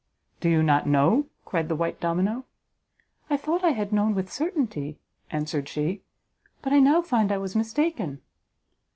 "Do you not know?" cried the white domino. "I thought I had known with certainty," answered she, "but I now find I was mistaken."